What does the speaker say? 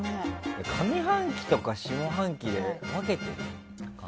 上半期とか下半期で分けてる？